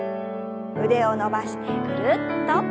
腕を伸ばしてぐるっと。